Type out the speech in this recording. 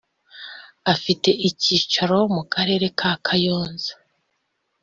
afite icyicaro mu Karere ka kayonza